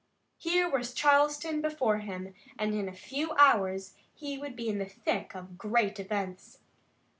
Here was Charleston before him and in a few hours he would be in the thick of great events.